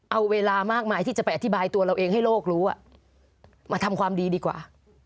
เอาเวลามากมายที่จะไปอธิบายตัวเราเองให้โลกรู้มาทำความดีดีกว่า